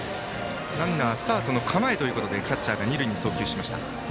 ランナースタートの構えということでキャッチャーが二塁に送球しました。